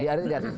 di adrt tidak